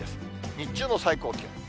日中の最高気温。